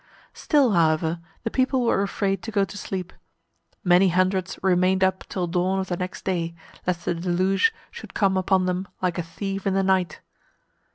Still, however, the people were afraid to go to sleep. Many hundreds remained up till dawn of the next day, lest the deluge should come upon them like a thief in the night.